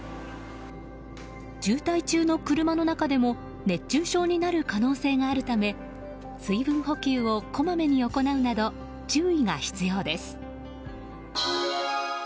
渋滞中の車の中でも熱中症になる可能性があるため水分補給をこまめに行うなど注意が必要です。